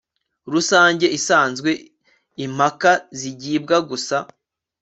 rusange isanzwe impaka zigibwa gusa